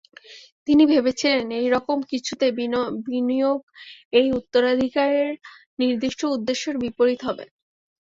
তিনি ভেবেছিলেন এইরকম কিছুতে বিনিয়োগ এই উত্তরাধিকারের নির্দিষ্ট উদ্দেশ্যর বিপরীত হবে।